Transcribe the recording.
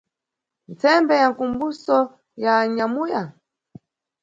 Mtsembe ya mkumbuso ya anyamuya?